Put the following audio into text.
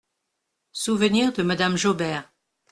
SOUVENIRS DE Madame JAUBERT.